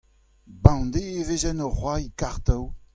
bemdez e vezent o c'hoari kartoù.